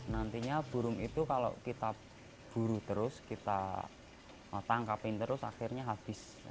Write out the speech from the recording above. nantinya burung itu kalau kita buru terus kita tangkapin terus akhirnya habis